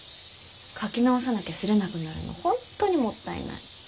描き直さなきゃ刷れなくなるの本当にもったいない。